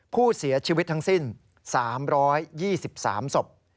ผู้เสียชีวิตทั้งสิ้น๓๒๓ศพ